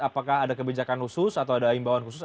apakah ada kebijakan khusus atau ada imbauan khusus